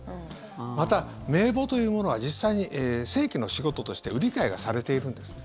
また、名簿というものは実際に正規の仕事として売り買いがされているんですね。